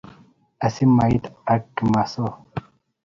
Asi mait ak kimas o